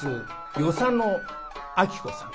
与謝野晶子さん。